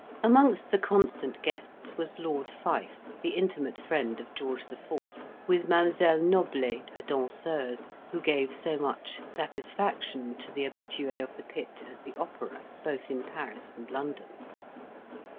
Amongst the constant guests was Lord Fife, the intimate friend of George IV., with Mdlle. Noblet, a danseuse, who gave so much satisfaction to the habitues of the pit at the opera, both in Paris and London.